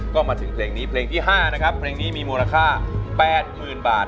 ก็มาถึงเพลงนี้เพลงที่๕นะครับเพลงนี้มีมูลค่า๘๐๐๐บาท